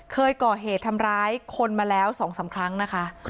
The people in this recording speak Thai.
เคยก่อเหตุทำร้ายคนมาแล้ว๒๓ครั้งนะคะ